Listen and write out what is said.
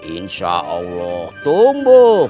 insya allah tumbuh